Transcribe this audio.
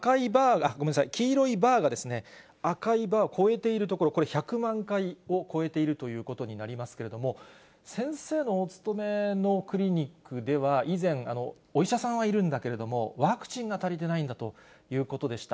黄色いバーが赤いバーを超えているところ、これ、１００万回を超えているということになりますけれども、先生のお勤めのクリニックでは、依然、お医者さんはいるんだけれども、ワクチンが足りてないんだということでした。